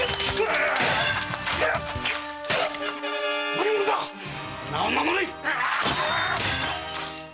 何者だ⁉名を名乗れ！